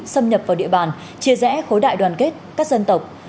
xâm nhập vào địa bàn chia rẽ khối đại đoàn kết các dân tộc